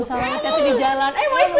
sama hati hati di jalan